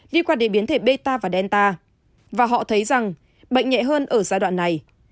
liên quan đến biến thể meta và delta và họ thấy rằng bệnh nhẹ hơn ở giai đoạn này